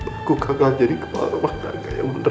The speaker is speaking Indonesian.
aku gagal jadi kepala rumah kagak yang bener